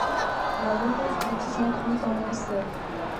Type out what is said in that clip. La reconstruction put commencer.